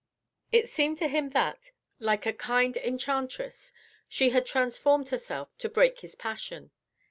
It seemed to him that, like a kind enchantress, she had transformed herself to break his passion.